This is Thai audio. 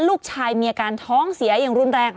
ลูกชายมีอาการท้องเสียอย่างรุนแรง